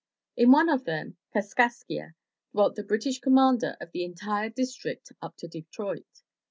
In one of them, Kaskaskia, dwelt the British commander of the entire district up to Detroit.